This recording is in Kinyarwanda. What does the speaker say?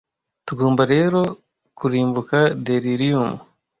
tugomba rero kurimbuka delirium